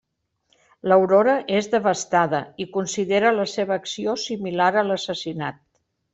L'Aurora és devastada; i considera la seva acció similar a l'assassinat.